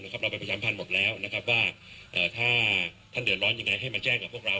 เราเป็นประชามพันธ์หมดแล้วถ้าท่านเดือดร้อนยังไงให้มาแจ้งกับพวกเรา